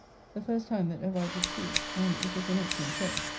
The first time that ever I did see it, and it is an excellent play.